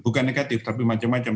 bukan negatif tapi macam macam